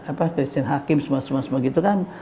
apa christine hakim semua semua gitu kan